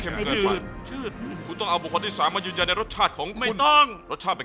โอ้นี่เดี๋ยวเราชิมรสชาติ